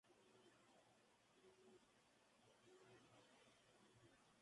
Era el eje de la antigua ciudad de Belgrano.